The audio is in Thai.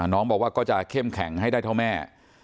น้องบอกว่าก็จะเข้มแข็งให้ได้เท่าแม่